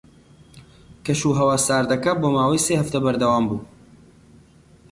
کەشوهەوا ساردەکە بۆ ماوەی سێ هەفتە بەردەوام بوو.